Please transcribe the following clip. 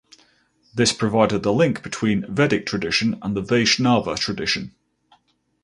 This provided the link between Vedic tradition and the Vaishnava tradition.